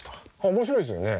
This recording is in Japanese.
面白いですよね。